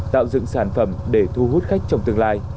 tạo dựng sản phẩm để thu hút khách trong tương lai